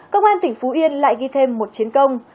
công an tỉnh phú yên lại ghi thêm một chiến công